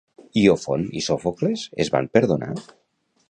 Iofont i Sòfocles es van perdonar?